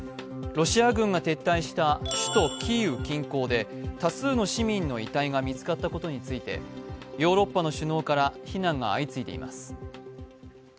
ロシア軍が撤退した首都キーウ近郊で多数の市民の遺体が見つかったことについてヨーロッパの首脳から非難が相次いでいます。